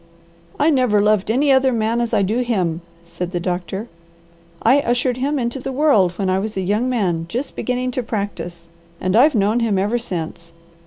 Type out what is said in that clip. "I never loved any other man as I do him," said the doctor. "I ushered him into the world when I was a young man just beginning to practise, and I've known him ever since.